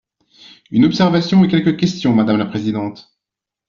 Une observation et quelques questions, madame la présidente.